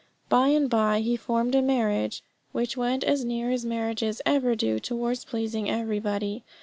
By and by he formed a marriage, which went as near as marriages ever do towards pleasing everybody.